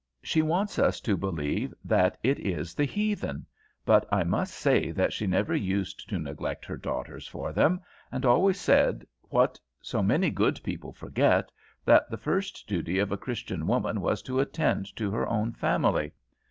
She wants us to believe that it is the heathen; but I must say that she never used to neglect her daughters for them, and always said, what so many good people forget, that the first duty of a Christian woman was to attend to her own family.